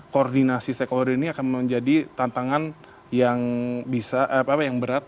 koordinasi stakeholder ini akan menjadi tantangan yang bisa apa apa yang berat